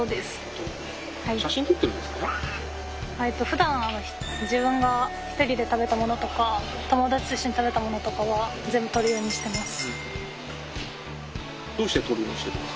ふだん自分が一人で食べたものとか友達と一緒に食べたものとかは全部撮るようにしてます。